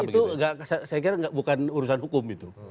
itu saya kira bukan urusan hukum itu